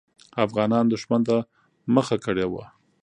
افغانان دښمن ته مخه کړې وه.